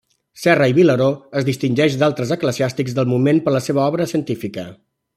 Serra i Vilaró es distingeix d’altres eclesiàstics del moment per la seva obra científica.